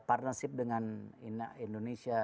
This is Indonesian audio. partnership dengan indonesia